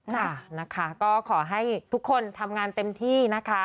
ค่ะนะคะก็ขอให้ทุกคนทำงานเต็มที่นะคะ